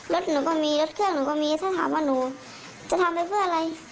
รถหนูก็มีรถเครื่องหนูก็มีถ้าถามว่าหนูจะทำไปเพื่ออะไร